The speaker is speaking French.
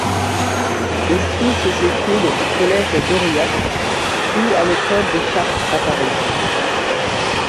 Il suit ses études au collège d'Aurillac, puis à l'École des chartes à Paris.